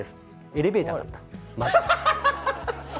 エレベーターがあった。